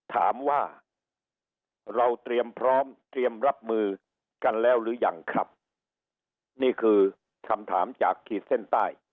ถามว่าเราเตรียมพร้อมเตรียมรับมือกันแล้วหรือยังครับนี่คือคำถามจากขีดเส้นใต้